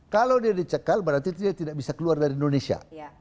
kalau dia dicekal berarti dia tidak bisa keluar dari indonesia